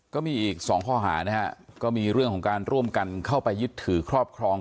ก็มีอีกสองข้อหานะฮะก็มีเรื่องของการร่วมกันเข้าไปยึดถือครอบครอง